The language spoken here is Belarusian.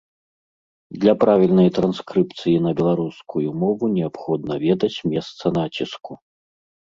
Для правільнай транскрыпцыі на беларускую мову неабходна ведаць месца націску.